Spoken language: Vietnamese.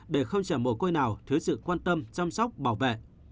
để không trả mồ côi nào thiếu sự quan tâm chăm sóc bảo vệ